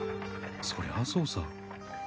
そりゃあそうさ。